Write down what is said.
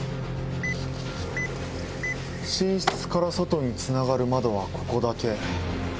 寝室から外につながる窓はここだけ。